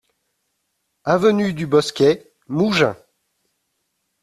Avenue du Bosquet, Mougins